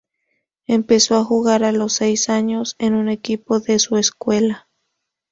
Empezó a jugar a los seis años en un equipo de su escuela.